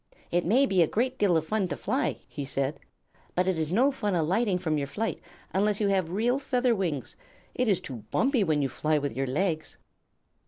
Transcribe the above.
"It may be a great deal of fun to fly," he said, "but it is no fun alighting from your flight unless you have real feather wings. It is too bumpy when you fly with your legs."